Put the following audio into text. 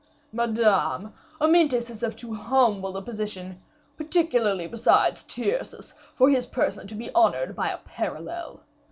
"Madame, Amyntas is of too humble a position, particularly beside Tyrcis, for his person to be honored by a parallel.